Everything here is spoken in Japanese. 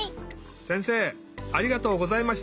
せんせいありがとうございました。